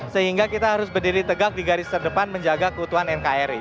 sehingga kita harus berdiri tegak di garis terdepan menjaga keutuhan nkri